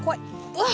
うわ！